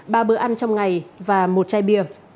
ba bữa ăn trong ngày và một chai bia